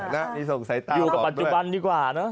ไปนะอยู่กับปัจจุบันดีกว่าเนอะ